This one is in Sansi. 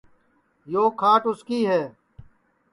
یو کھاٹ اُس کی ہے